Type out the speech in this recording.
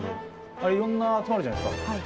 あれいろんな集まるじゃないですか。